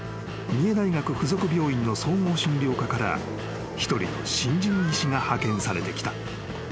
［三重大学附属病院の総合診療科から一人の新人医師が派遣されてきた］